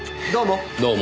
どうも！